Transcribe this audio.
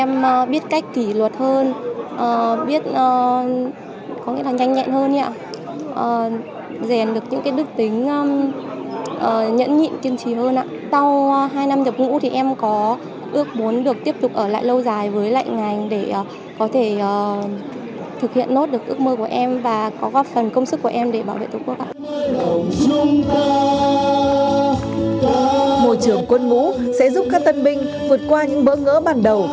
môi trường quân ngũ sẽ giúp các tân binh vượt qua những bỡ ngỡ bàn đầu